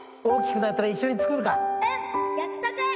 大きくなったら一緒に作るか。